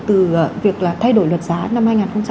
từ việc là thay đổi luật giá năm hai nghìn một mươi hai